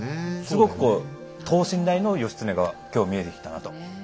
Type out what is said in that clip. すごくこう等身大の義経が今日見えてきたなと。